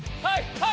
はい！